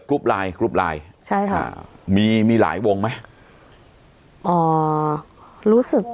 ไลน์กรุ๊ปไลน์ใช่ค่ะมีมีหลายวงไหมอ๋อรู้สึก